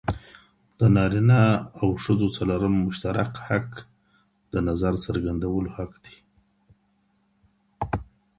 د نارينه او ښځو څلورم مشترک حق د نظر څرګندولو حق دی.